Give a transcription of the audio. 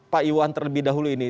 pak iwan terlebih dahulu ini